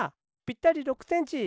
ぴったり６センチ！